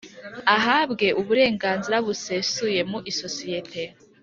Ahabwe uburenganzira busesuye mu isosiyete